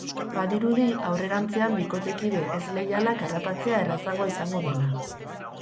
Badirudi aurrerantzean bikotekide ez leialak harrapatzea errazagoa izango dela.